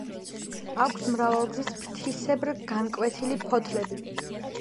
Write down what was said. აქვს მრავალგზის ფრთისებრ განკვეთილი ფოთლები.